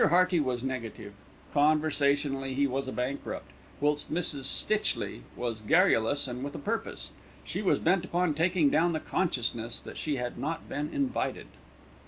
Hearty was negative, conversationally he was a bankrupt, whilst Mrs. Stitchley was garrulous and with a purpose. She was bent upon talking down the consciousness that she had not been invited.